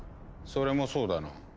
それもそうだな。